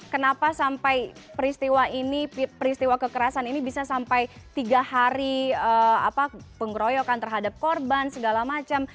kenapa sampai peristiwa ini peristiwa kekerasan ini bisa sampai tiga hari pengeroyokan terhadap korban segala macam